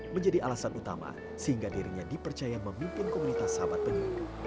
menjadi alasan utama sehingga dirinya dipercaya memimpin komunitas sahabat penyu